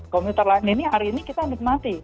komuter lain ini hari ini kita nikmati